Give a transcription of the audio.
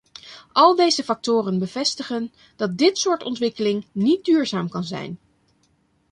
Al deze factoren bevestigen dat dit soort ontwikkeling niet duurzaam kan zijn.